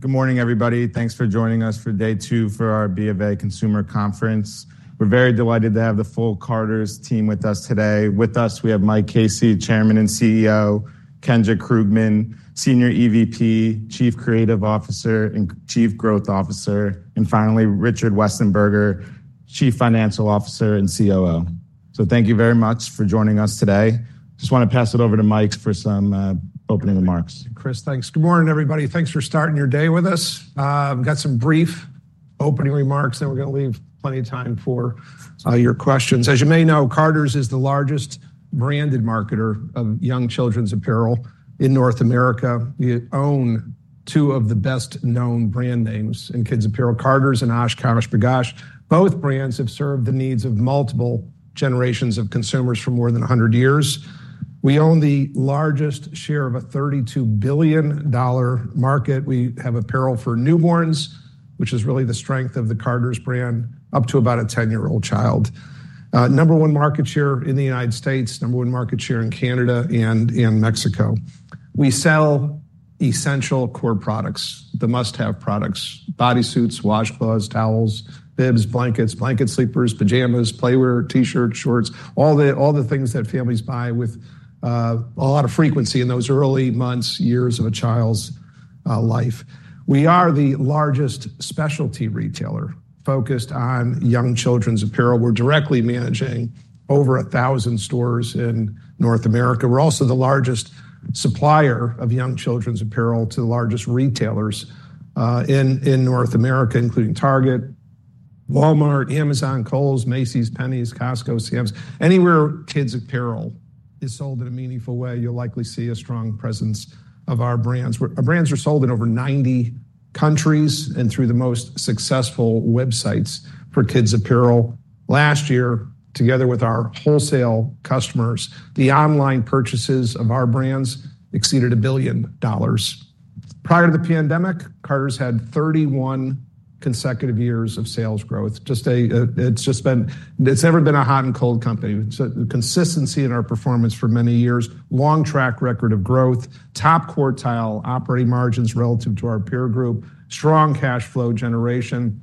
Good morning, everybody. Thanks for joining us for day two for our B of A Consumer Conference. We're very delighted to have the full Carter's team with us today. With us, we have Mike Casey, Chairman and CEO; Kendra Krugman, Senior EVP, Chief Creative Officer and Chief Growth Officer; and finally, Richard Westenberger, Chief Financial Officer and COO. So thank you very much for joining us today. Just want to pass it over to Mike for some opening remarks. Chris, thanks. Good morning, everybody. Thanks for starting your day with us. I've got some brief opening remarks, then we're gonna leave plenty of time for your questions. As you may know, Carter's is the largest branded marketer of young children's apparel in North America. We own two of the best-known brand names in kids' apparel: Carter's and OshKosh B'gosh. Both brands have served the needs of multiple generations of consumers for more than 100 years. We own the largest share of a $32 billion market. We have apparel for newborns, which is really the strength of the Carter's brand, up to about a 10-year-old child. Number one market share in the United States, number one market share in Canada, and in Mexico. We sell essential core products, the must-have products: bodysuits, washcloths, towels, bibs, blankets, blanket sleepers, pajamas, playwear, T-shirts, shorts—all the things that families buy with a lot of frequency in those early months, years of a child's life. We are the largest specialty retailer focused on young children's apparel. We're directly managing over 1,000 stores in North America. We're also the largest supplier of young children's apparel to the largest retailers in North America, including Target, Walmart, Amazon, Kohl's, Macy's, Penney's, Costco, Sam's. Anywhere kids' apparel is sold in a meaningful way, you'll likely see a strong presence of our brands. Our brands are sold in over 90 countries and through the most successful websites for kids' apparel. Last year, together with our wholesale customers, the online purchases of our brands exceeded $1 billion. Prior to the pandemic, Carter's had 31 consecutive years of sales growth. It's just been, it's never been a hot and cold company. It's a consistency in our performance for many years, long track record of growth, top quartile operating margins relative to our peer group, strong cash flow generation.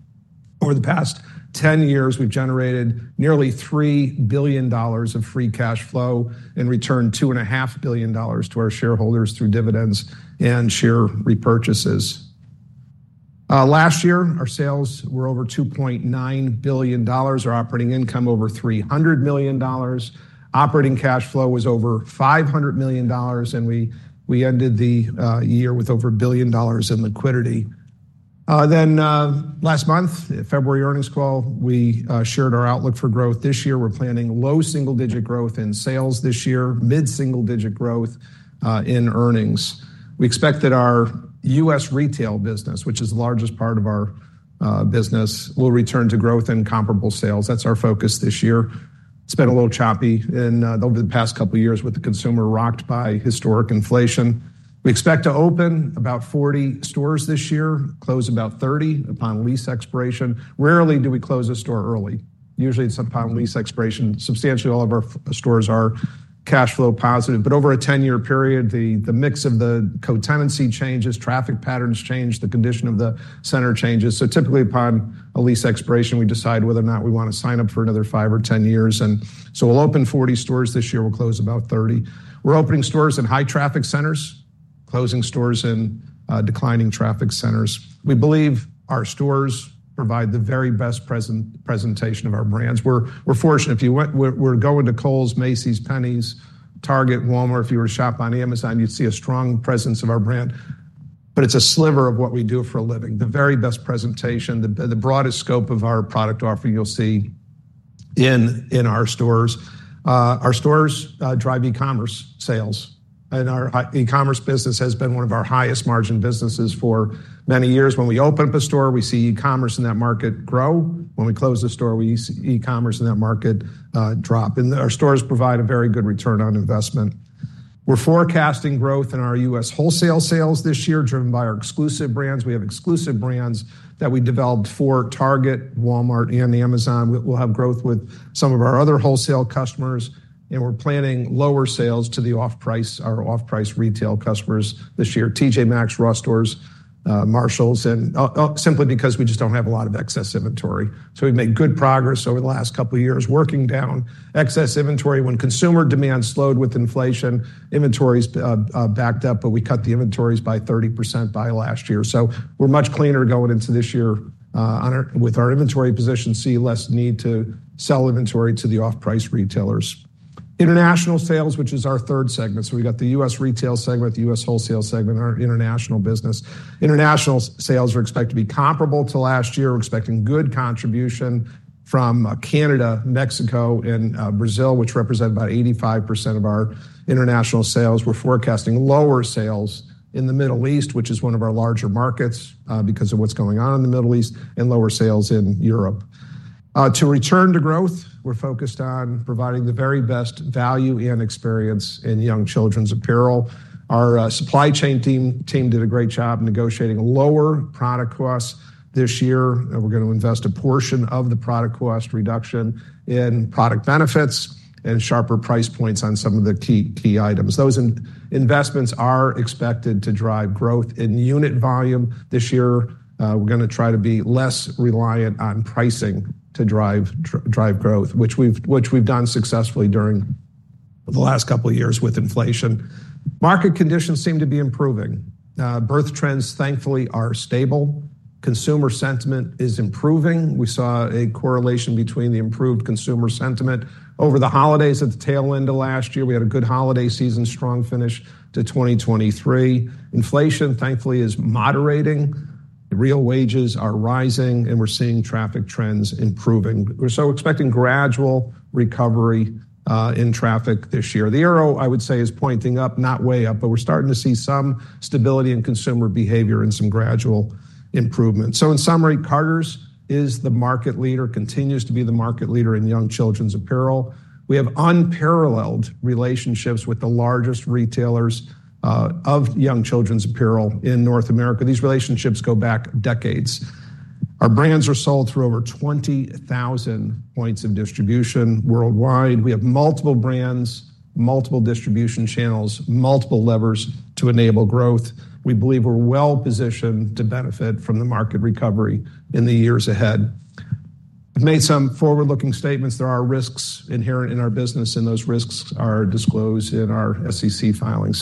Over the past 10 years, we've generated nearly $3 billion of free cash flow and returned $2.5 billion to our shareholders through dividends and share repurchases. Last year, our sales were over $2.9 billion, our operating income over $300 million, operating cash flow was over $500 million, and we ended the year with over $1 billion in liquidity. Then, last month, February earnings call, we shared our outlook for growth. This year, we're planning low single-digit growth in sales this year, mid-single-digit growth in earnings. We expect that our US retail business, which is the largest part of our business, will return to growth and comparable sales. That's our focus this year. It's been a little choppy in over the past couple of years with the consumer rocked by historic inflation. We expect to open about 40 stores this year, close about 30 upon lease expiration. Rarely do we close a store early. Usually, it's upon lease expiration. Substantially, all of our stores are cash flow positive. But over a 10-year period, the mix of the co-tenancy changes, traffic patterns change, the condition of the center changes. So typically, upon a lease expiration, we decide whether or not we want to sign up for another five or 10 years. And so we'll open 40 stores this year. We'll close about 30. We're opening stores in high traffic centers, closing stores in declining traffic centers. We believe our stores provide the very best presentation of our brands. We're fortunate. If you went, we're going to Kohl's, Macy's, Penney's, Target, Walmart. If you were to shop on Amazon, you'd see a strong presence of our brand. But it's a sliver of what we do for a living, the very best presentation, the broadest scope of our product offering you'll see in our stores. Our stores drive e-commerce sales. And our e-commerce business has been one of our highest margin businesses for many years. When we open up a store, we see e-commerce in that market grow. When we close a store, we see e-commerce in that market drop. And our stores provide a very good return on investment. We're forecasting growth in our US wholesale sales this year, driven by our exclusive brands. We have exclusive brands that we developed for Target, Walmart, and Amazon. We'll have growth with some of our other wholesale customers. We're planning lower sales to our off-price retail customers this year: TJ Maxx, Ross Stores, Marshalls, simply because we just don't have a lot of excess inventory. We've made good progress over the last couple of years, working down excess inventory. When consumer demand slowed with inflation, inventories backed up. But we cut the inventories by 30% by last year. We're much cleaner going into this year with our inventory position, see less need to sell inventory to the off-price retailers. International sales, which is our third segment. We've got the US retail segment, the US wholesale segment, our international business. International sales are expected to be comparable to last year. We're expecting good contribution from Canada, Mexico, and Brazil, which represent about 85% of our international sales. We're forecasting lower sales in the Middle East, which is one of our larger markets, because of what's going on in the Middle East, and lower sales in Europe. To return to growth, we're focused on providing the very best value and experience in young children's apparel. Our supply chain team did a great job negotiating a lower product cost this year. We're gonna invest a portion of the product cost reduction in product benefits and sharper price points on some of the key items. Those investments are expected to drive growth in unit volume this year. We're gonna try to be less reliant on pricing to drive growth, which we've done successfully during the last couple of years with inflation. Market conditions seem to be improving. Birth trends, thankfully, are stable. Consumer sentiment is improving. We saw a correlation between the improved consumer sentiment. Over the holidays at the tail end of last year, we had a good holiday season, strong finish to 2023. Inflation, thankfully, is moderating. Real wages are rising. We're seeing traffic trends improving. We're so expecting gradual recovery in traffic this year. The arrow, I would say, is pointing up, not way up. We're starting to see some stability in consumer behavior and some gradual improvement. So in summary, Carter's is the market leader, continues to be the market leader in young children's apparel. We have unparalleled relationships with the largest retailers of young children's apparel in North America. These relationships go back decades. Our brands are sold through over 20,000 points of distribution worldwide. We have multiple brands, multiple distribution channels, multiple levers to enable growth. We believe we're well positioned to benefit from the market recovery in the years ahead. I've made some forward-looking statements. There are risks inherent in our business. Those risks are disclosed in our SEC filing.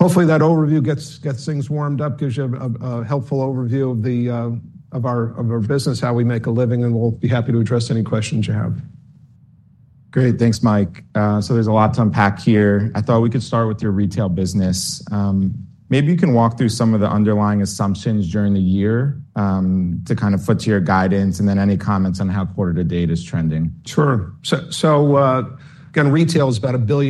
Hopefully, that overview gets things warmed up. Gives you a helpful overview of our business, how we make a living. We'll be happy to address any questions you have. Great. Thanks, Mike. So there's a lot to unpack here. I thought we could start with your retail business. Maybe you can walk through some of the underlying assumptions during the year to kind of foot to your guidance, and then any comments on how quarter to date is trending. Sure. So, again, retail is about $1.5 billion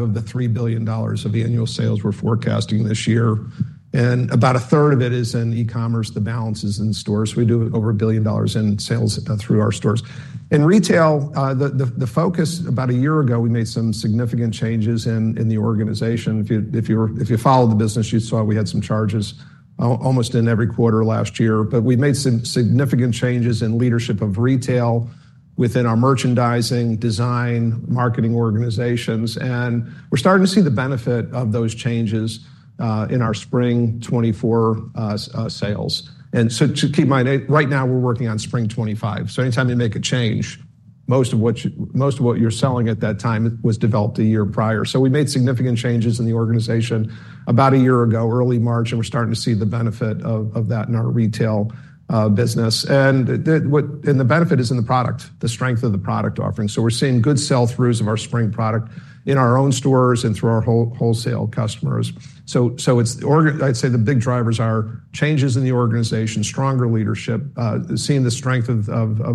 of the $3 billion of annual sales we're forecasting this year. And about a third of it is in e-commerce. The balance is in stores. We do over $1 billion in sales through our stores. In retail, the focus about a year ago, we made some significant changes in the organization. If you followed the business, you saw we had some charges almost in every quarter last year. But we've made some significant changes in leadership of retail within our merchandising, design, marketing organizations. And we're starting to see the benefit of those changes in our spring 2024 sales. And so to keep in my right now, we're working on spring 2025. So anytime you make a change, most of what you're selling at that time was developed a year prior. So we made significant changes in the organization about a year ago, early March. And we're starting to see the benefit of that in our retail business. And the benefit is in the product, the strength of the product offering. So we're seeing good sell-throughs of our spring product in our own stores and through our wholesale customers. So it's the org. I'd say the big drivers are changes in the organization, stronger leadership, seeing the strength of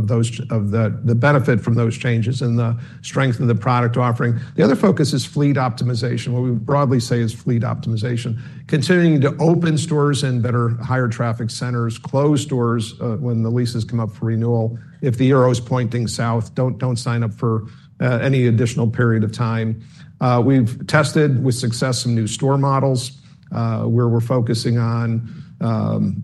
those, the benefit from those changes and the strength of the product offering. The other focus is fleet optimization. What we broadly say is fleet optimization, continuing to open stores and better higher traffic centers, close stores, when the leases come up for renewal. If the arrow's pointing south, don't sign up for, any additional period of time. We've tested with success some new store models, where we're focusing on,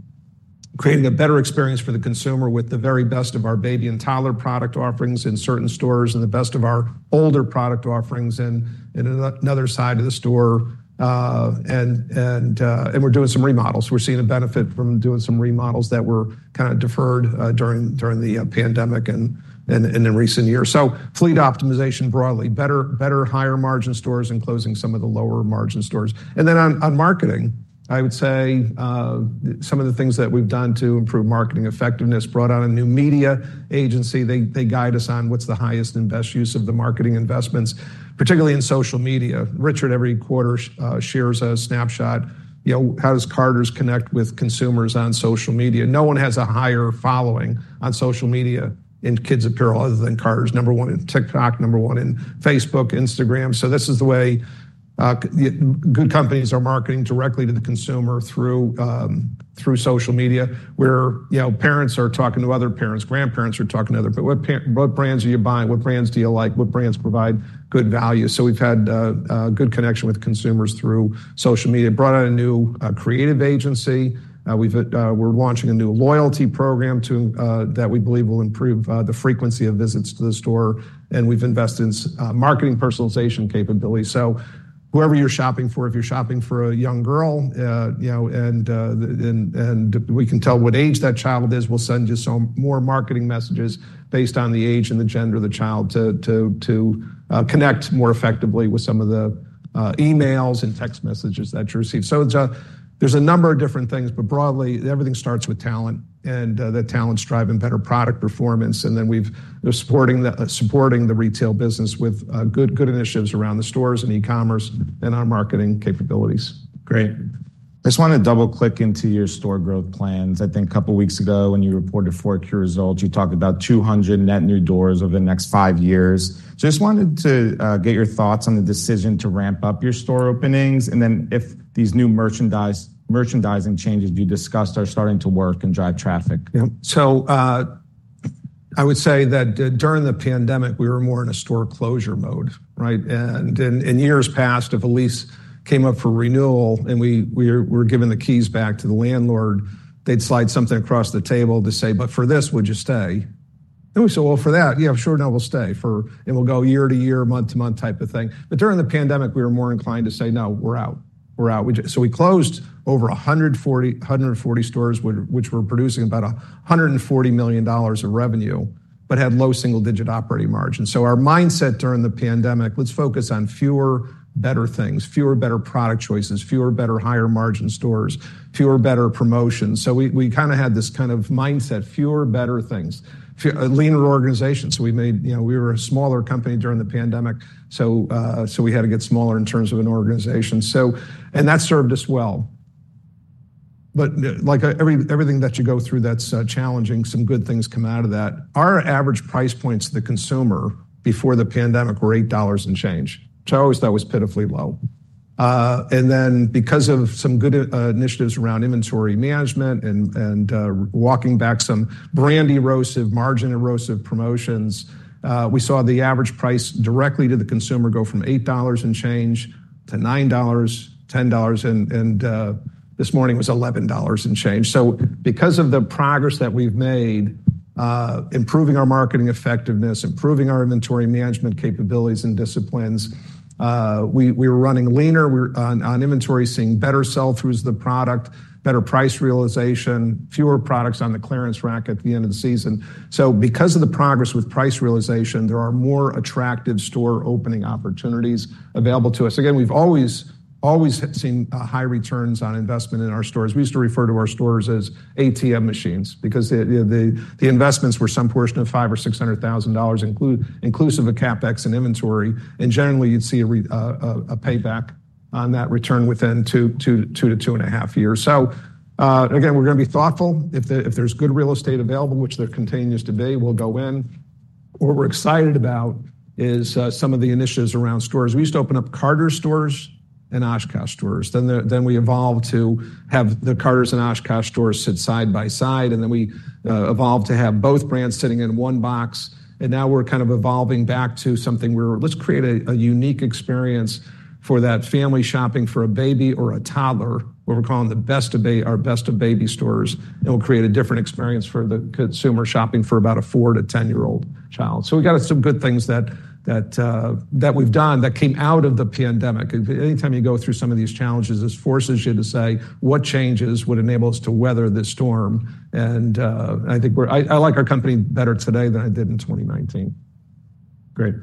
creating a better experience for the consumer with the very best of our baby and toddler product offerings in certain stores and the best of our older product offerings in another side of the store. And we're doing some remodels. We're seeing a benefit from doing some remodels that were kind of deferred, during the, pandemic and in recent years. So fleet optimization broadly, better higher margin stores and closing some of the lower margin stores. And then on marketing, I would say, some of the things that we've done to improve marketing effectiveness, brought on a new media agency. They guide us on what's the highest and best use of the marketing investments, particularly in social media. Richard, every quarter, shares a snapshot. You know, how does Carter's connect with consumers on social media? No one has a higher following on social media in kids' apparel other than Carter's, number one in TikTok, number one in Facebook, Instagram. So this is the way good companies are marketing directly to the consumer through social media, where, you know, parents are talking to other parents, grandparents are talking to other. But what brands are you buying? What brands do you like? What brands provide good value? So we've had good connection with consumers through social media, brought on a new creative agency. We're launching a new loyalty program to that we believe will improve the frequency of visits to the store. And we've invested in marketing personalization capabilities. So whoever you're shopping for, if you're shopping for a young girl, you know, and we can tell what age that child is, we'll send you some more marketing messages based on the age and the gender of the child to connect more effectively with some of the emails and text messages that you receive. So there's a number of different things. But broadly, everything starts with talent. And that talent's driving better product performance. And then we're supporting the retail business with good initiatives around the stores and e-commerce and our marketing capabilities. Great. I just want to double-click into your store growth plans. I think a couple of weeks ago, when you reported 4Q results, you talked about 200 net new doors over the next five years. So I just wanted to get your thoughts on the decision to ramp up your store openings and then if these new merchandise merchandising changes you discussed are starting to work and drive traffic. Yep. So, I would say that during the pandemic, we were more in a store closure mode, right? And in years past, if a lease came up for renewal and we were given the keys back to the landlord, they'd slide something across the table to say, "But for this, would you stay?" And we said, "Well, for that, yeah, sure. No, we'll stay for and we'll go year to year, month to month," type of thing. But during the pandemic, we were more inclined to say, "No, we're out. We're out." We just so we closed over 140 stores, which were producing about $140 million of revenue but had low single-digit operating margins. So our mindset during the pandemic, let's focus on fewer better things, fewer better product choices, fewer better higher margin stores, fewer better promotions. So we kind of had this kind of mindset, fewer better things, leaner organization. So, you know, we were a smaller company during the pandemic. So we had to get smaller in terms of an organization. So that served us well. But like everything that you go through that's challenging, some good things come out of that. Our average price points to the consumer before the pandemic were $8 and change. So I always thought it was pitifully low. And then because of some good initiatives around inventory management and walking back some brand erosive, margin erosive promotions, we saw the average price directly to the consumer go from $8 and change to $9, $10. And this morning, it was $11 and change. So because of the progress that we've made, improving our marketing effectiveness, improving our inventory management capabilities and disciplines, we were running leaner. We're on inventory, seeing better sell-throughs of the product, better price realization, fewer products on the clearance rack at the end of the season. So because of the progress with price realization, there are more attractive store opening opportunities available to us. Again, we've always seen high returns on investment in our stores. We used to refer to our stores as ATM machines because the investments were some portion of $500,000 or $600,000, inclusive of CapEx and inventory. Generally, you'd see a payback on that return within 2-2.5 years. So, again, we're gonna be thoughtful. If there's good real estate available, which there continues to be, we'll go in. What we're excited about is some of the initiatives around stores. We used to open up Carter's stores and OshKosh stores. Then we evolved to have the Carter's and OshKosh stores sit side by side. And then we evolved to have both brands sitting in one box. And now we're kind of evolving back to something where let's create a unique experience for that family shopping for a baby or a toddler, what we're calling the best of both our Best of Baby stores. And we'll create a different experience for the consumer shopping for about a 4- to 10-year-old child. So we got some good things that we've done that came out of the pandemic. Anytime you go through some of these challenges, this forces you to say, "What changes would enable us to weather this storm?" And, I think we're. I like our company better today than I did in 2019. Great.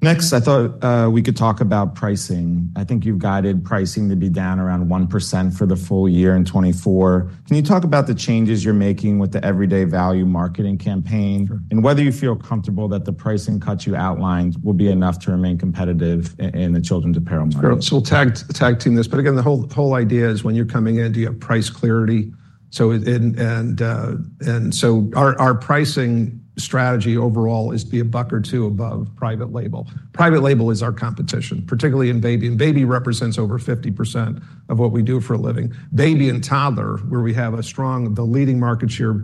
Next, I thought, we could talk about pricing. I think you've guided pricing to be down around 1% for the full year in 2024. Can you talk about the changes you're making with the Everyday Value marketing campaign and whether you feel comfortable that the pricing cuts you outlined will be enough to remain competitive in the children's apparel market? Sure. So we'll tag team this. But again, the whole idea is when you're coming in, do you have price clarity? So, and so our pricing strategy overall is to be a buck or two above private label. Private label is our competition, particularly in baby. And baby represents over 50% of what we do for a living. Baby and toddler, where we have the leading market share,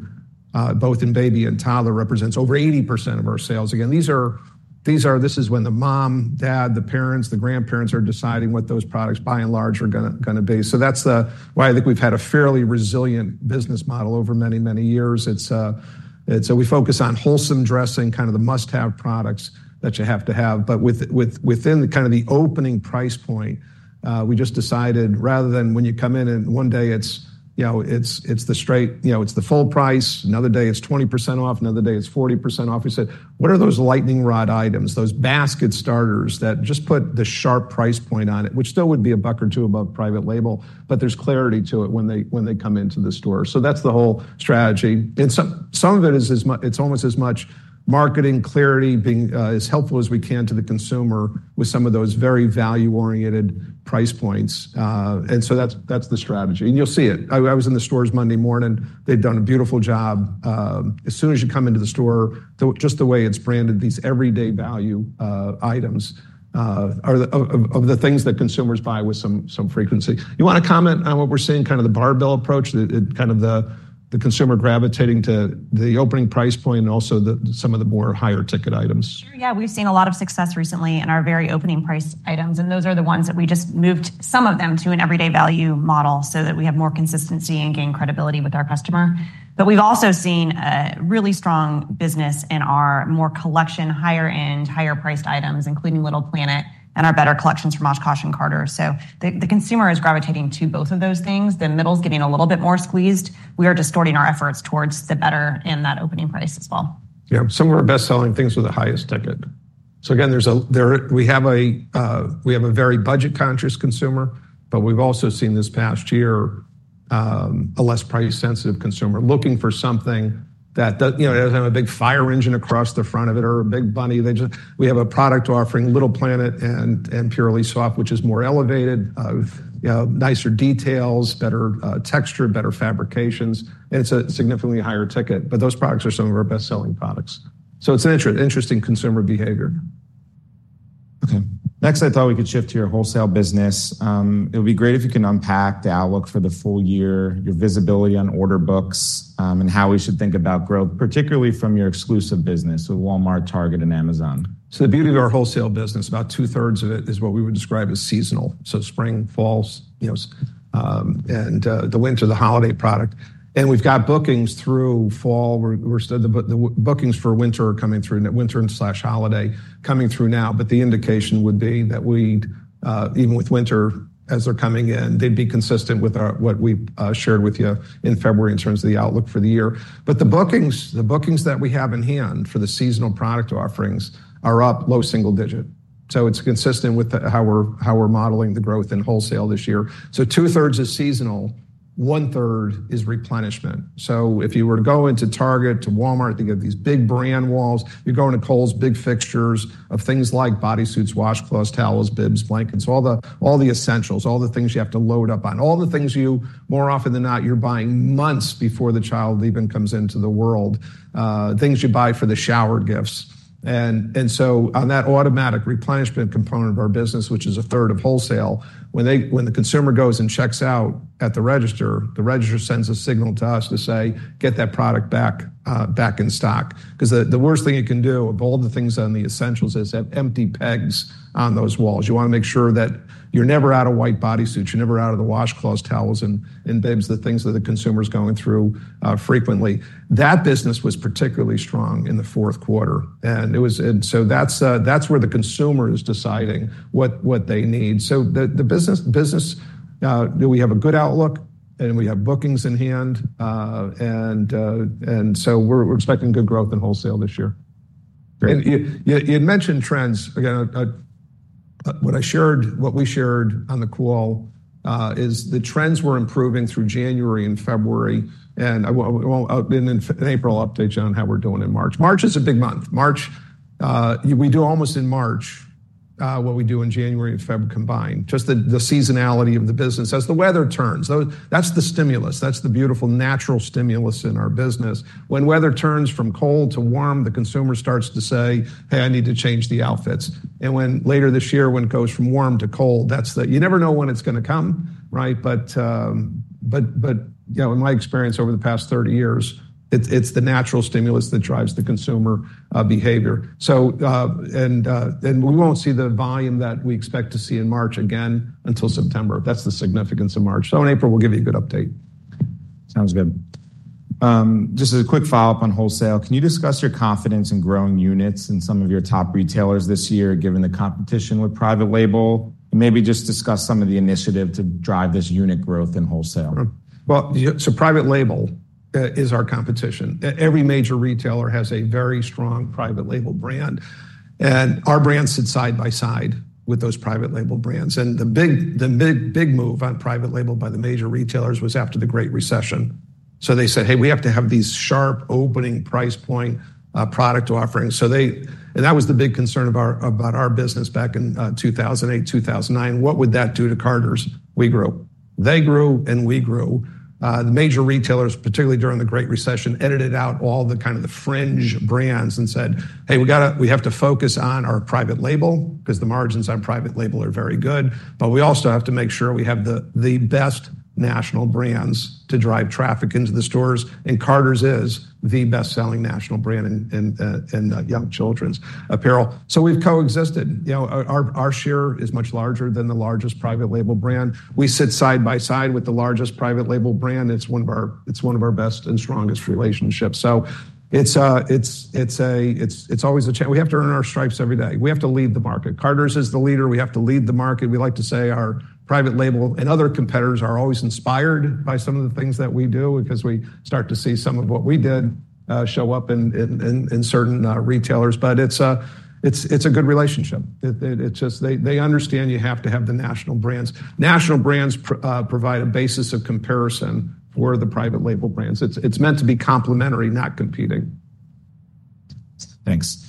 both in baby and toddler, represents over 80% of our sales. Again, this is when the mom, dad, the parents, the grandparents are deciding what those products, by and large, are gonna be. So that's the why I think we've had a fairly resilient business model over many, many years. It's, we focus on wholesome dressing, kind of the must-have products that you have to have. But within the kind of opening price point, we just decided rather than when you come in and one day, it's, you know, it's the straight, you know, it's the full price. Another day, it's 20% off. Another day, it's 40% off. We said, "What are those lightning rod items, those basket starters that just put the sharp price point on it, which still would be a buck or two above private label?" But there's clarity to it when they come into the store. So that's the whole strategy. And some of it is as much, it's almost as much marketing clarity, being as helpful as we can to the consumer with some of those very value-oriented price points. And so that's the strategy. And you'll see it. I was in the stores Monday morning. They've done a beautiful job. As soon as you come into the store, just the way it's branded, these Everyday Value items are the things that consumers buy with some frequency. You wanna comment on what we're seeing, kind of the barbell approach, the kind of the consumer gravitating to the opening price point and also some of the more higher ticket items? Sure. Yeah. We've seen a lot of success recently in our very opening price items. And those are the ones that we just moved some of them to an Everyday Value model so that we have more consistency and gain credibility with our customer. But we've also seen a really strong business in our more collection, higher-end, higher-priced items, including Little Planet and our better collections from OshKosh and Carter's. So the consumer is gravitating to both of those things. The middle's getting a little bit more squeezed. We are distorting our efforts towards the better in that opening price as well. Yeah. Some of our best-selling things are the highest ticket. So again, we have a very budget-conscious consumer. But we've also seen this past year a less price-sensitive consumer looking for something that doesn't, you know, doesn't have a big fire engine across the front of it or a big bunny. They just, we have a product offering, Little Planet and Purely Soft, which is more elevated, you know, nicer details, better texture, better fabrications. And it's a significantly higher ticket. But those products are some of our best-selling products. So it's an interesting consumer behavior. Okay. Next, I thought we could shift to your wholesale business. It'll be great if you can unpack the outlook for the full year, your visibility on order books, and how we should think about growth, particularly from your exclusive business with Walmart, Target, and Amazon. So the beauty of our wholesale business, about 2/3 of it is what we would describe as seasonal. So spring, fall, you know, and the winter, the holiday product. And we've got bookings through fall. We're the bookings for winter are coming through winter and/or holiday coming through now. But the indication would be that we'd, even with winter as they're coming in, they'd be consistent with what we shared with you in February in terms of the outlook for the year. But the bookings that we have in hand for the seasonal product offerings are up low single digit. So it's consistent with how we're modeling the growth in wholesale this year. So 2/3 is seasonal. One-third is replenishment. So if you were to go into Target, to Walmart, you get these big brand walls. You go into Kohl's big fixtures of things like bodysuits, washcloths, towels, bibs, blankets, all the essentials, all the things you have to load up on, all the things you more often than not, you're buying months before the child even comes into the world, things you buy for the shower gifts. And so on that automatic replenishment component of our business, which is a third of wholesale, when the consumer goes and checks out at the register, the register sends a signal to us to say, "Get that product back in stock." Because the worst thing you can do of all the things on the essentials is have empty pegs on those walls. You wanna make sure that you're never out of white bodysuits. You're never out of the washcloths, towels, and bibs, the things that the consumer's going through, frequently. That business was particularly strong in the fourth quarter. And it was, and so that's where the consumer is deciding what they need. So the business, do we have a good outlook? And we have bookings in hand, and so we're expecting good growth in wholesale this year. Great. And you had mentioned trends. Again, what we shared on the call is the trends were improving through January and February. And I won't in April update you on how we're doing in March. March is a big month. In March, we do almost what we do in January and February combined, just the seasonality of the business as the weather turns. That's the stimulus. That's the beautiful natural stimulus in our business. When weather turns from cold to warm, the consumer starts to say, "Hey, I need to change the outfits." And when later this year, when it goes from warm to cold, that's the, you never know when it's gonna come, right? But, you know, in my experience over the past 30 years, it's the natural stimulus that drives the consumer behavior. We won't see the volume that we expect to see in March again until September. That's the significance of March. In April, we'll give you a good update. Sounds good. Just as a quick follow-up on wholesale, can you discuss your confidence in growing units in some of your top retailers this year, given the competition with private label? And maybe just discuss some of the initiative to drive this unit growth in wholesale. Well, so private label is our competition. Every major retailer has a very strong private label brand. And our brands sit side by side with those private label brands. And the big the big big move on private label by the major retailers was after the Great Recession. So they said, "Hey, we have to have these sharp opening price point product offerings." So they and that was the big concern of ours about our business back in 2008, 2009. What would that do to Carter's? We grew. They grew and we grew. The major retailers, particularly during the Great Recession, edited out all the kind of the fringe brands and said, "Hey, we gotta we have to focus on our private label because the margins on private label are very good. But we also have to make sure we have the best national brands to drive traffic into the stores." And Carter's is the best-selling national brand in young children's apparel. So we've coexisted. You know, our share is much larger than the largest private label brand. We sit side by side with the largest private label brand. It's one of our best and strongest relationships. So it's always a challenge. We have to earn our stripes every day. We have to lead the market. Carter's is the leader. We have to lead the market. We like to say our private label and other competitors are always inspired by some of the things that we do because we start to see some of what we did, show up in certain retailers. But it's a good relationship. It's just they understand you have to have the national brands. National brands provide a basis of comparison for the private label brands. It's meant to be complementary, not competing. Thanks.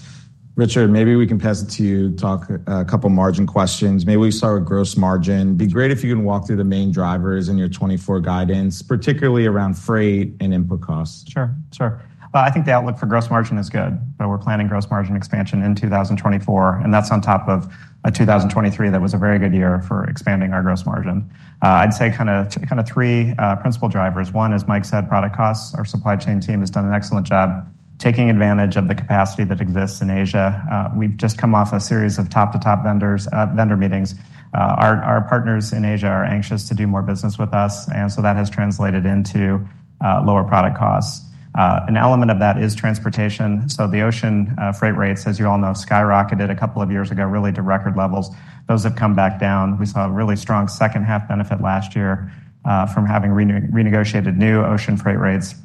Richard, maybe we can pass it to you to talk a couple margin questions. Maybe we start with gross margin. Be great if you can walk through the main drivers in your 2024 guidance, particularly around freight and input costs. Sure. Sure. I think the outlook for gross margin is good. But we're planning gross margin expansion in 2024. And that's on top of a 2023 that was a very good year for expanding our gross margin. I'd say kind of three principal drivers. One is, Mike said, product costs. Our supply chain team has done an excellent job taking advantage of the capacity that exists in Asia. We've just come off a series of top-to-top vendor meetings. Our partners in Asia are anxious to do more business with us. And so that has translated into lower product costs. An element of that is transportation. So the ocean freight rates, as you all know, skyrocketed a couple of years ago, really to record levels. Those have come back down. We saw a really strong second-half benefit last year from having renegotiated new ocean freight rates.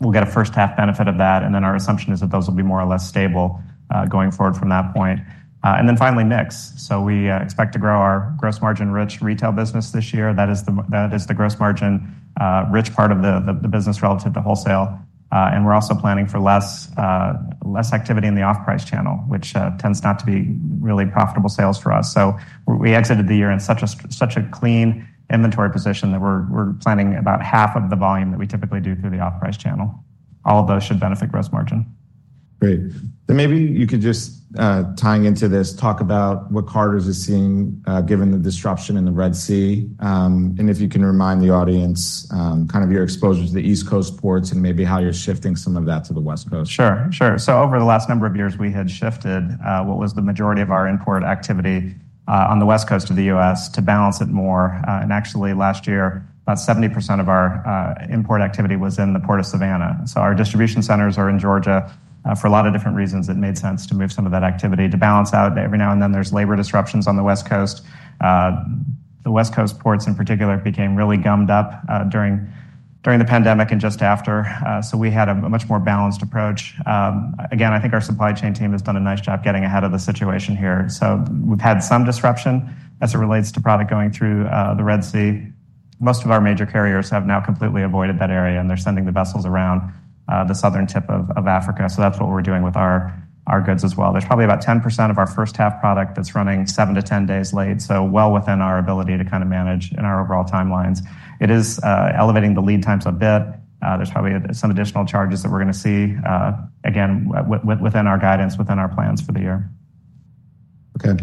We'll get a first-half benefit of that. And then our assumption is that those will be more or less stable, going forward from that point. And then finally, mix. So we expect to grow our gross margin-rich retail business this year. That is the gross margin-rich part of the business relative to wholesale. And we're also planning for less activity in the off-price channel, which tends not to be really profitable sales for us. So we exited the year in such a clean inventory position that we're planning about half of the volume that we typically do through the off-price channel. All of those should benefit gross margin. Great. Then maybe you could just, tying into this, talk about what Carter's is seeing, given the disruption in the Red Sea, and if you can remind the audience, kind of your exposure to the East Coast ports and maybe how you're shifting some of that to the West Coast. Sure. Sure. So over the last number of years, we had shifted what was the majority of our import activity on the West Coast of the U.S. to balance it more. Actually, last year, about 70% of our import activity was in the Port of Savannah. So our distribution centers are in Georgia. For a lot of different reasons, it made sense to move some of that activity to balance out. Every now and then, there's labor disruptions on the West Coast. The West Coast ports, in particular, became really gummed up during the pandemic and just after. So we had a much more balanced approach. Again, I think our supply chain team has done a nice job getting ahead of the situation here. So we've had some disruption as it relates to product going through the Red Sea. Most of our major carriers have now completely avoided that area. They're sending the vessels around the southern tip of Africa. That's what we're doing with our goods as well. There's probably about 10% of our first-half product that's running 7-10 days late, so well within our ability to kind of manage in our overall timelines. It is elevating the lead times a bit. There's probably some additional charges that we're gonna see, again, within our guidance, within our plans for the year. Okay.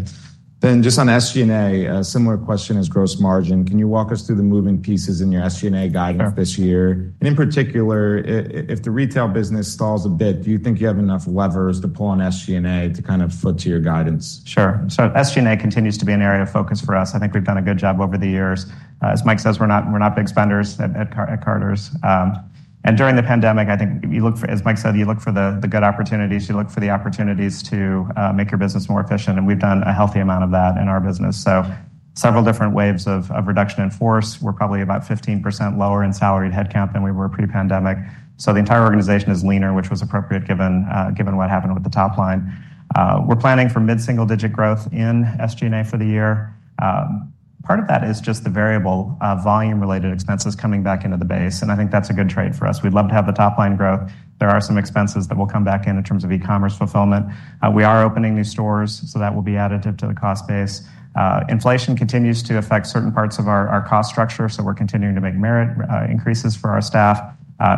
Just on SG&A, a similar question as gross margin. Can you walk us through the moving pieces in your SG&A guidance this year? In particular, if the retail business stalls a bit, do you think you have enough levers to pull on SG&A to kind of foot to your guidance? Sure. So SG&A continues to be an area of focus for us. I think we've done a good job over the years. As Mike says, we're not big spenders at Carter's. And during the pandemic, I think you look for, as Mike said, you look for the good opportunities. You look for the opportunities to make your business more efficient. And we've done a healthy amount of that in our business. So several different waves of reduction in force. We're probably about 15% lower in salaried headcount than we were pre-pandemic. So the entire organization is leaner, which was appropriate given what happened with the top line. We're planning for mid-single digit growth in SG&A for the year. Part of that is just the variable, volume-related expenses coming back into the base. And I think that's a good trait for us. We'd love to have the top line growth. There are some expenses that will come back in terms of e-commerce fulfillment. We are opening new stores. So that will be additive to the cost base. Inflation continues to affect certain parts of our cost structure. So we're continuing to make merit increases for our staff.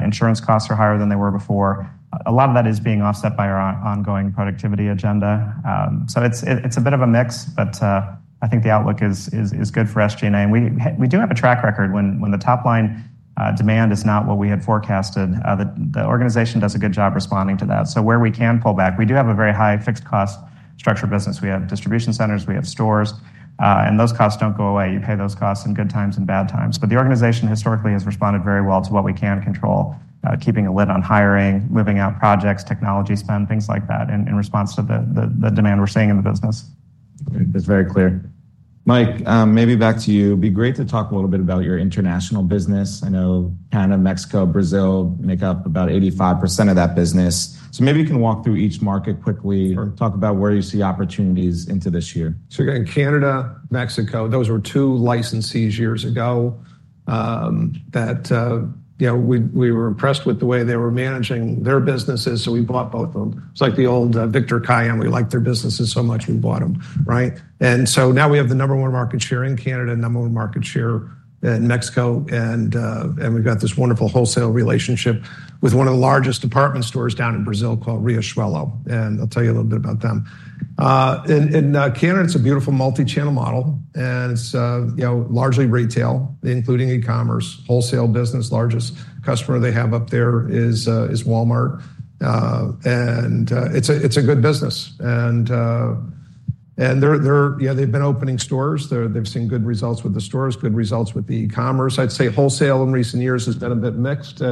Insurance costs are higher than they were before. A lot of that is being offset by our ongoing productivity agenda. So it's a bit of a mix. But, I think the outlook is good for SG&A. And we do have a track record when the top line demand is not what we had forecasted. The organization does a good job responding to that. So where we can pull back, we do have a very high fixed cost structure business. We have distribution centers. We have stores. Those costs don't go away. You pay those costs in good times and bad times. But the organization historically has responded very well to what we can control, keeping a lid on hiring, moving out projects, technology spend, things like that in response to the demand we're seeing in the business. That's very clear. Mike, maybe back to you. Be great to talk a little bit about your international business. I know Canada, Mexico, Brazil make up about 85% of that business. So maybe you can walk through each market quickly or talk about where you see opportunities into this year. So again, Canada, Mexico, those were two licensees years ago, that, you know, we were impressed with the way they were managing their businesses. So we bought both of them. It's like the old Victor Kiam. We liked their businesses so much. We bought them, right? And so now we have the number one market share in Canada, number one market share in Mexico. And we've got this wonderful wholesale relationship with one of the largest department stores down in Brazil called Riachuelo. And I'll tell you a little bit about them. In Canada, it's a beautiful multi-channel model. And it's, you know, largely retail, including e-commerce, wholesale business. Largest customer they have up there is Walmart. And it's a good business. And they're, you know, they've been opening stores. They've seen good results with the stores, good results with the e-commerce. I'd say wholesale in recent years has been a bit mixed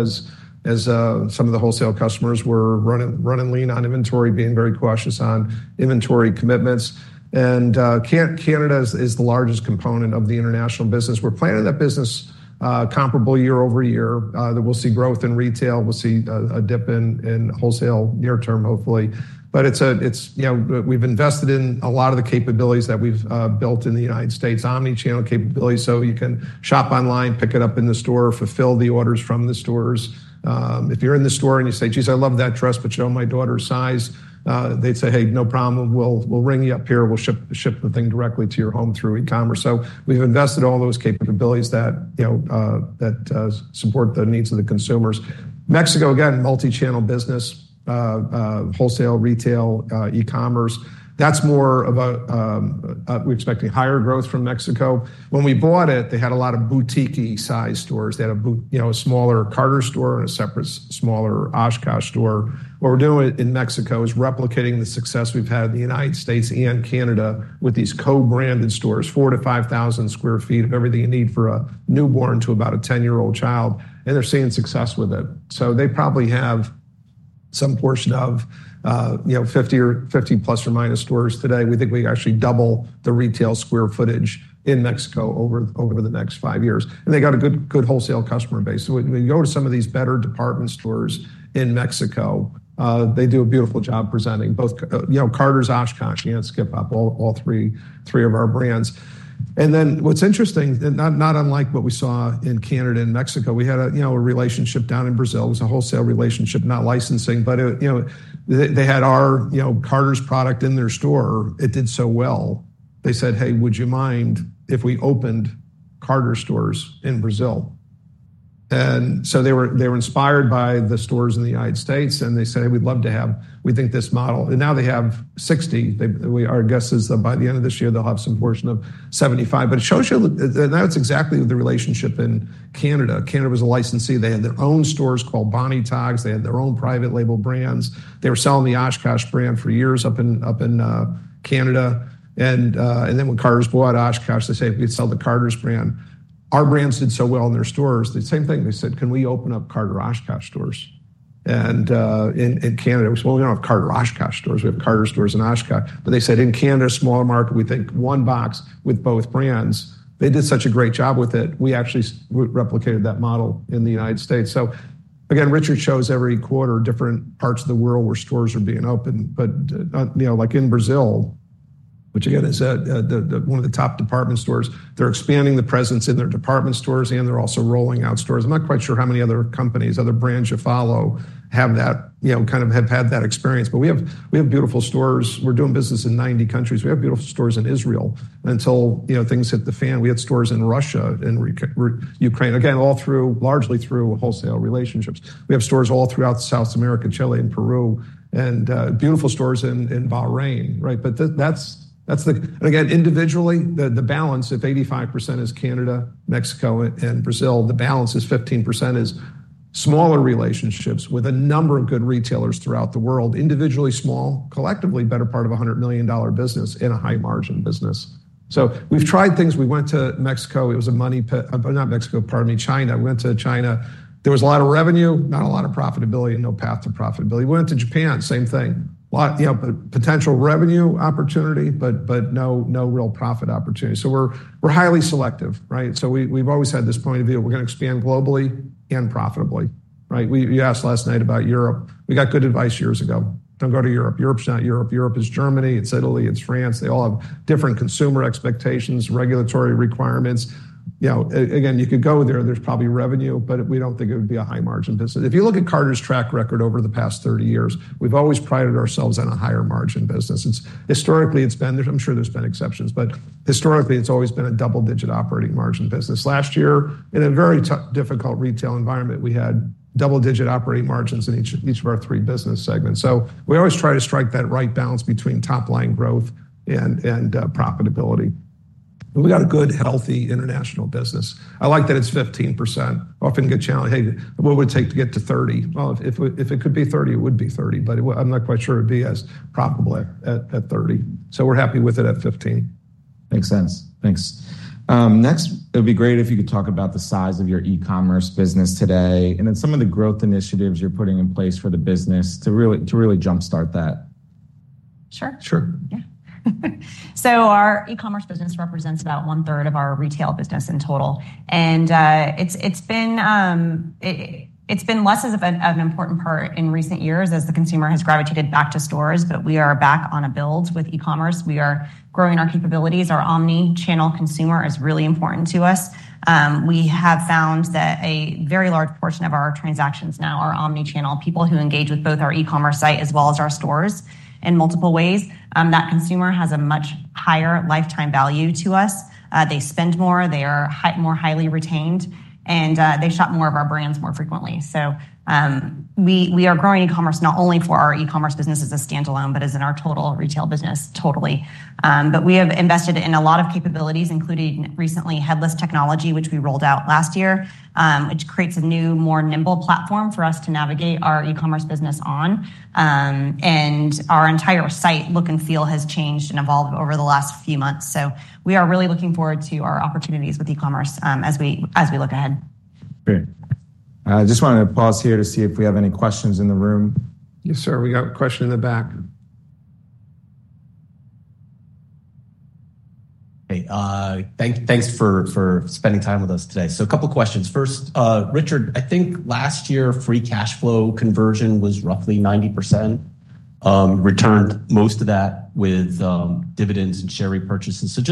as some of the wholesale customers were running lean on inventory, being very cautious on inventory commitments. Canada is the largest component of the international business. We're planning that business comparable year over year, that we'll see growth in retail. We'll see a dip in wholesale near term, hopefully. But it's, you know, we've invested in a lot of the capabilities that we've built in the United States, omnichannel capabilities. So you can shop online, pick it up in the store, fulfill the orders from the stores. If you're in the store and you say, "Jeez, I love that dress, but you know my daughter's size," they'd say, "Hey, no problem. We'll ring you up here. We'll ship the thing directly to your home through e-commerce." So we've invested all those capabilities that, you know, support the needs of the consumers. Mexico, again, multi-channel business, wholesale, retail, e-commerce. That's more of, we're expecting higher growth from Mexico. When we bought it, they had a lot of boutique-sized stores. They had a, you know, a smaller Carter's store and a separate smaller OshKosh store. What we're doing in Mexico is replicating the success we've had in the United States and Canada with these co-branded stores, 4,000-5,000 sq ft of everything you need for a newborn to about a 10-year-old child. And they're seeing success with it. So they probably have some portion of, you know, 50 or 50 plus or minus stores today. We think we actually double the retail square footage in Mexico over the next 5 years. They got a good wholesale customer base. So when we go to some of these better department stores in Mexico, they do a beautiful job presenting both, you know, Carter's, OshKosh. You count Skip Hop all three of our brands. And then what's interesting, not unlike what we saw in Canada and Mexico, we had a, you know, a relationship down in Brazil. It was a wholesale relationship, not licensing. But it, you know, they had our, you know, Carter's product in their store. It did so well. They said, "Hey, would you mind if we opened Carter's stores in Brazil?" And so they were inspired by the stores in the United States. And they said, "Hey, we'd love to have we think this model." And now they have 60. Our guess is that by the end of this year, they'll have some portion of 75. But it shows you that now it's exactly the relationship in Canada. Canada was a licensee. They had their own stores called Bonnie Togs. They had their own private label brands. They were selling the OshKosh brand for years up in Canada. And then when Carter's bought OshKosh, they said, "Hey, we could sell the Carter's brand." Our brands did so well in their stores. The same thing. They said, "Can we open up Carter-OshKosh stores?" And in Canada, we said, "Well, we don't have Carter-OshKosh stores. We have Carter's stores in OshKosh." But they said, "In Canada, smaller market, we think one box with both brands." They did such a great job with it. We actually replicated that model in the United States. So again, Richard shows every quarter different parts of the world where stores are being open. But, you know, like in Brazil, which again is one of the top department stores, they're expanding the presence in their department stores. And they're also rolling out stores. I'm not quite sure how many other companies, other brands you follow have that, you know, kind of have had that experience. But we have we have beautiful stores. We're doing business in 90 countries. We have beautiful stores in Israel until, you know, things hit the fan. We had stores in Russia and Ukraine, again, all largely through wholesale relationships. We have stores all throughout South America, Chile, and Peru, and beautiful stores in Bahrain, right? But that's the, and again, individually, the balance, if 85% is Canada, Mexico, and Brazil, the balance is 15% is smaller relationships with a number of good retailers throughout the world, individually small, collectively better part of a $100 million business in a high-margin business. So we've tried things. We went to Mexico. It was a money pit not Mexico, pardon me, China. We went to China. There was a lot of revenue, not a lot of profitability, and no path to profitability. We went to Japan, same thing. A lot, you know, potential revenue opportunity, but no real profit opportunity. So we're highly selective, right? So we've always had this point of view. We're gonna expand globally and profitably, right? We you asked last night about Europe. We got good advice years ago. Don't go to Europe. Europe's not Europe. Europe is Germany. It's Italy. It's France. They all have different consumer expectations, regulatory requirements. You know, again, you could go there. There's probably revenue. But we don't think it would be a high-margin business. If you look at Carter's track record over the past 30 years, we've always prided ourselves on a higher-margin business. It's historically, it's been. I'm sure there's been exceptions. But historically, it's always been a double-digit operating margin business. Last year, in a very difficult retail environment, we had double-digit operating margins in each of our three business segments. So we always try to strike that right balance between top line growth and profitability. And we got a good, healthy international business. I like that it's 15%. Often get challenged, "Hey, what would it take to get to 30?" Well, if it could be 30, it would be 30. But I'm not quite sure it'd be as profitable at 30. So we're happy with it at 15. Makes sense. Thanks. Next, it'd be great if you could talk about the size of your e-commerce business today and then some of the growth initiatives you're putting in place for the business to really to really jump-start that. Sure. Sure. Yeah. So our e-commerce business represents about one-third of our retail business in total. It's been less of an important part in recent years as the consumer has gravitated back to stores. But we are back on a build with e-commerce. We are growing our capabilities. Our omnichannel consumer is really important to us. We have found that a very large portion of our transactions now are omnichannel, people who engage with both our e-commerce site as well as our stores in multiple ways. That consumer has a much higher lifetime value to us. They spend more. They are more highly retained. And, they shop more of our brands more frequently. So, we are growing e-commerce not only for our e-commerce business as a standalone but as in our total retail business totally. We have invested in a lot of capabilities, including recently headless technology, which we rolled out last year, which creates a new, more nimble platform for us to navigate our e-commerce business on. Our entire site look and feel has changed and evolved over the last few months. So we are really looking forward to our opportunities with e-commerce, as we look ahead. Great. I just wanted to pause here to see if we have any questions in the room. Yes, sir. We got a question in the back. Hey. Thanks for spending time with us today. So a couple of questions. First, Richard, I think last year, free cash flow conversion was roughly 90%. Returned most of that with dividends and share repurchases. So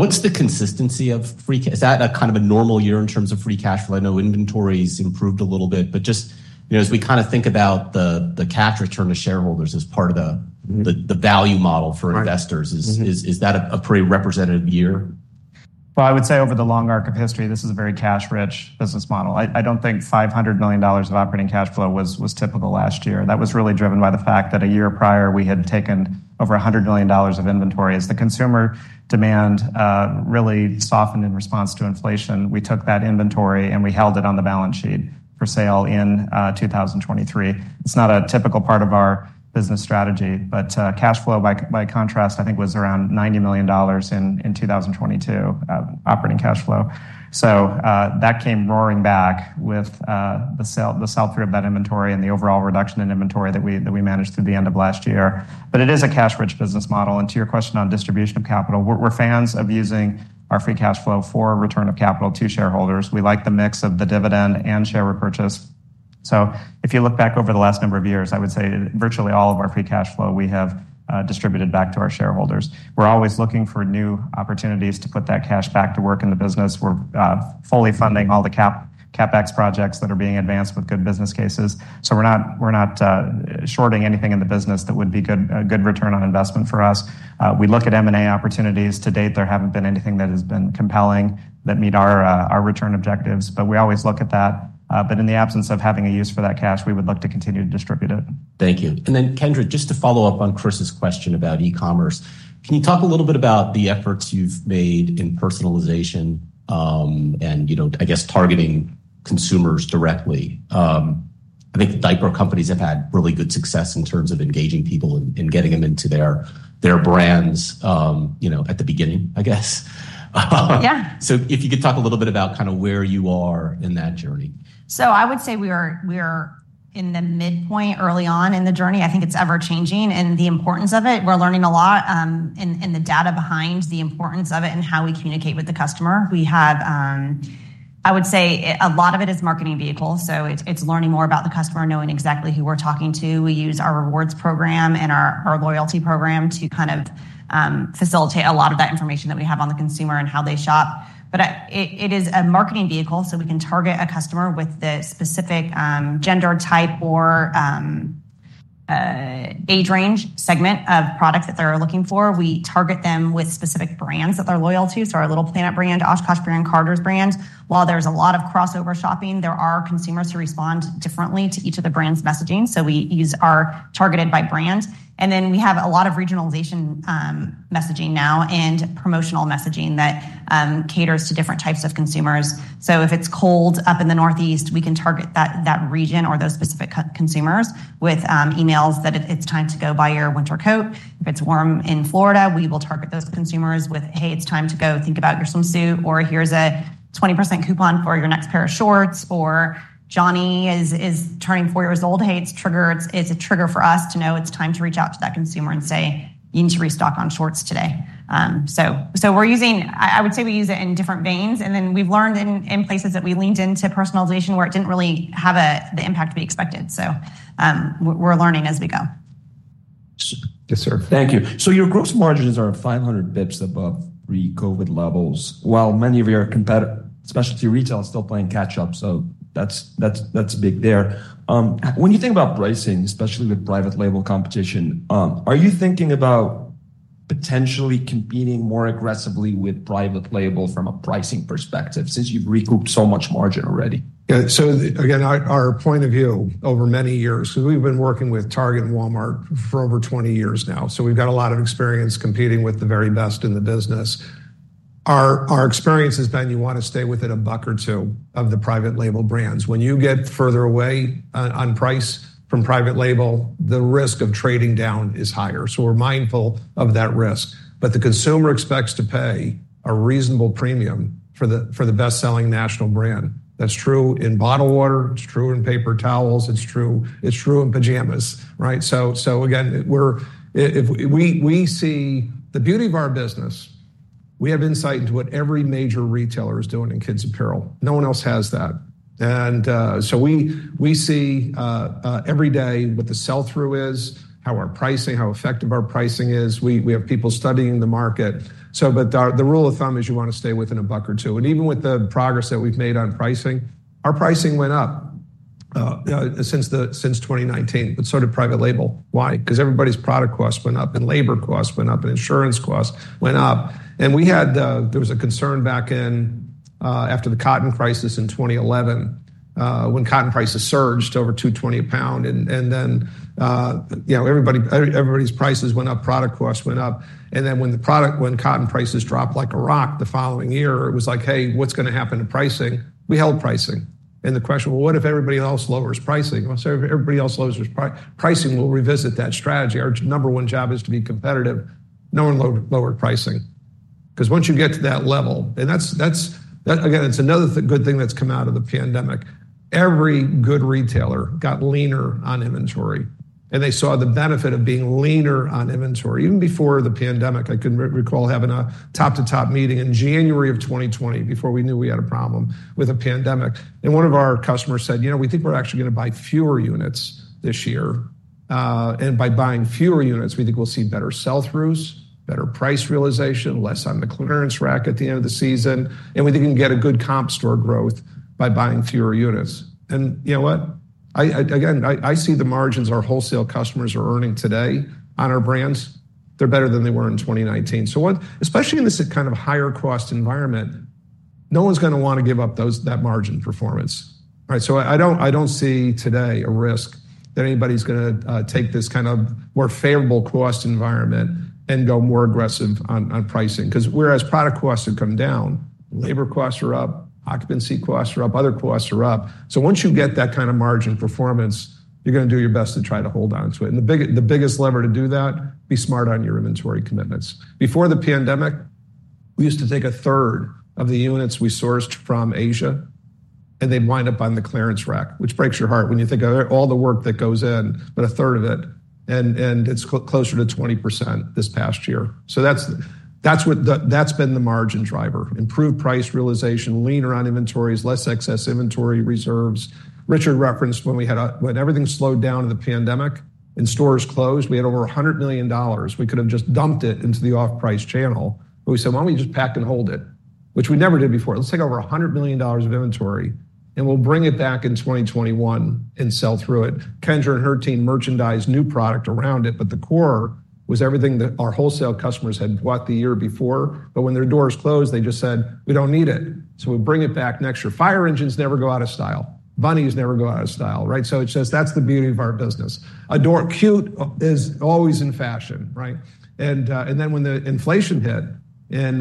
just what's the consistency of free cash? Is that kind of a normal year in terms of free cash flow? I know inventory's improved a little bit. But just, you know, as we kind of think about the cash return to shareholders as part of the value model for investors, is that a pretty representative year? Well, I would say over the long arc of history, this is a very cash-rich business model. I don't think $500 million of operating cash flow was typical last year. That was really driven by the fact that a year prior, we had taken over $100 million of inventory. As the consumer demand really softened in response to inflation, we took that inventory and we held it on the balance sheet for sale in 2023. It's not a typical part of our business strategy. But cash flow, by contrast, I think was around $90 million in 2022, operating cash flow. So, that came roaring back with the sell-through of that inventory and the overall reduction in inventory that we managed through the end of last year. But it is a cash-rich business model. And to your question on distribution of capital, we're fans of using our free cash flow for return of capital to shareholders. We like the mix of the dividend and share repurchase. So if you look back over the last number of years, I would say virtually all of our free cash flow we have distributed back to our shareholders. We're always looking for new opportunities to put that cash back to work in the business. We're fully funding all the CapEx projects that are being advanced with good business cases. So we're not shorting anything in the business that would be a good return on investment for us. We look at M&A opportunities. To date, there haven't been anything that has been compelling that meet our return objectives. But we always look at that. But in the absence of having a use for that cash, we would like to continue to distribute it. Thank you. And then, Kendra, just to follow up on Chris's question about e-commerce, can you talk a little bit about the efforts you've made in personalization, and, you know, I guess, targeting consumers directly? I think the diaper companies have had really good success in terms of engaging people and getting them into their brands, you know, at the beginning, I guess. Yeah. If you could talk a little bit about kind of where you are in that journey. So I would say we are in the midpoint early on in the journey. I think it's ever-changing and the importance of it. We're learning a lot, in the data behind the importance of it and how we communicate with the customer. We have, I would say a lot of it is a marketing vehicle. So it's learning more about the customer, knowing exactly who we're talking to. We use our rewards program and our loyalty program to kind of facilitate a lot of that information that we have on the consumer and how they shop. But it is a marketing vehicle. So we can target a customer with the specific gender, type, or age range segment of products that they're looking for. We target them with specific brands that they're loyal to. So our Little Planet brand, OshKosh brand, Carter's brand. While there's a lot of crossover shopping, there are consumers who respond differently to each of the brands' messaging. So we use our targeted by brand. Then we have a lot of regionalization, messaging now and promotional messaging that caters to different types of consumers. So if it's cold up in the Northeast, we can target that region or those specific consumers with emails that it's time to go buy your winter coat. If it's warm in Florida, we will target those consumers with, "Hey, it's time to go. Think about your swimsuit." Or, "Here's a 20% coupon for your next pair of shorts." Or, "Johnny is turning four years old. Hey, it's triggered. It's a trigger for us to know it's time to reach out to that consumer and say, "You need to restock on shorts today." So we're using. I would say we use it in different veins. And then we've learned in places that we leaned into personalization where it didn't really have the impact we expected. So, we're learning as we go. Yes, sir. Thank you. Your gross margins are 500 basis points above pre-COVID levels while many of your competitive specialty retail is still playing catch-up. That's big there. When you think about pricing, especially with private label competition, are you thinking about potentially competing more aggressively with private label from a pricing perspective since you've recouped so much margin already? Yeah. So again, our point of view over many years, we've been working with Target and Walmart for over 20 years now. So we've got a lot of experience competing with the very best in the business. Our experience has been you want to stay within a buck or two of the private label brands. When you get further away on price from private label, the risk of trading down is higher. So we're mindful of that risk. But the consumer expects to pay a reasonable premium for the best-selling national brand. That's true in bottled water. It's true in paper towels. It's true in pajamas, right? So again, we see the beauty of our business, we have insight into what every major retailer is doing in kids' apparel. No one else has that. So we see every day what the sell-through is, how our pricing, how effective our pricing is. We have people studying the market. So but the rule of thumb is you want to stay within a buck or two. And even with the progress that we've made on pricing, our pricing went up since 2019. But sort of private label. Why? Because everybody's product costs went up and labor costs went up and insurance costs went up. And we had, there was a concern back in, after the cotton crisis in 2011, when cotton prices surged over $2.20 a pound. And then, you know, everybody's prices went up. Product costs went up. And then when cotton prices dropped like a rock the following year, it was like, "Hey, what's gonna happen to pricing?" We held pricing. The question, "Well, what if everybody else lowers pricing?" Well, so if everybody else lowers pricing, we'll revisit that strategy. Our number one job is to be competitive. No one lowered pricing. Because once you get to that level and that's that again, it's another good thing that's come out of the pandemic. Every good retailer got leaner on inventory. They saw the benefit of being leaner on inventory. Even before the pandemic, I can recall having a top-to-top meeting in January of 2020 before we knew we had a problem with a pandemic. One of our customers said, "You know, we think we're actually gonna buy fewer units this year. And by buying fewer units, we think we'll see better sell-throughs, better price realization, less on the clearance rack at the end of the season. We think we can get a good comp store growth by buying fewer units. And you know what? I again see the margins our wholesale customers are earning today on our brands. They're better than they were in 2019. So what, especially in this kind of higher-cost environment, no one's gonna want to give up that margin performance, right? So I don't see today a risk that anybody's gonna take this kind of more favorable-cost environment and go more aggressive on pricing. Because whereas product costs have come down, labor costs are up, occupancy costs are up, other costs are up. So once you get that kind of margin performance, you're gonna do your best to try to hold onto it. And the biggest lever to do that, be smart on your inventory commitments. Before the pandemic, we used to take a third of the units we sourced from Asia. And they'd wind up on the clearance rack, which breaks your heart when you think of all the work that goes in, but a third of it. And it's closer to 20% this past year. So that's what that's been the margin driver, improved price realization, leaner on inventories, less excess inventory reserves. Richard referenced. When everything slowed down in the pandemic and stores closed, we had over $100 million. We could have just dumped it into the off-price channel. But we said, "Why don't we just pack and hold it?" Which we never did before. "Let's take over $100 million of inventory and we'll bring it back in 2021 and sell through it." Kendra and her team merchandised new product around it. But the core was everything that our wholesale customers had bought the year before. But when their doors closed, they just said, "We don't need it. So we'll bring it back next year." Fire engines never go out of style. Bunnies never go out of style, right? So it's just that's the beauty of our business. Adorable is always in fashion, right? And then when inflation hit in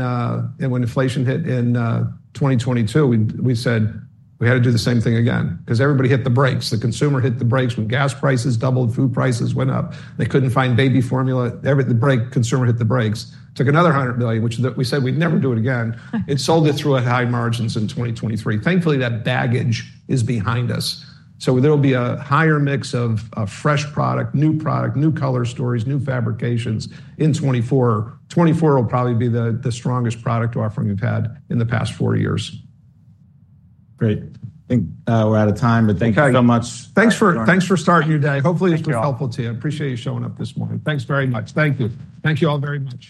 2022, we said we had to do the same thing again. Because everybody hit the brakes. The consumer hit the brakes when gas prices doubled, food prices went up. They couldn't find baby formula. The consumer hit the brakes, took another $100 million, which we said we'd never do it again. It sold through at high margins in 2023. Thankfully, that baggage is behind us. So there'll be a higher mix of fresh product, new product, new color stories, new fabrications in 2024. 2024 will probably be the strongest product offering we've had in the past four years. Great. I think, we're out of time. But thank you so much. Thanks for starting your day. Hopefully, it was helpful to you. I appreciate you showing up this morning. Thanks very much. Thank you. Thank you all very much.